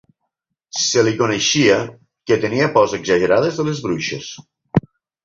Se li coneixia que tenia pors exagerades de les bruixes.